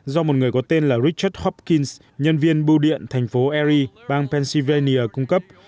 do một người có tên là richard hopkins nhân viên bưu điện thành phố erie bang pennsylvania cung cấp